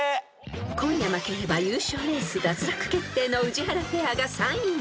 ［今夜負ければ優勝レース脱落決定の宇治原ペアが３位に］